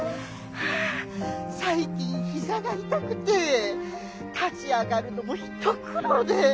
最近膝が痛くて立ち上がるのも一苦労で」。